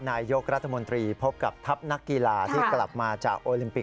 นายกรัฐมนตรีพบกับทัพนักกีฬาที่กลับมาจากโอลิมปิก